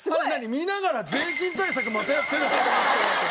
見ながら税金対策またやってるって思ってるわけ？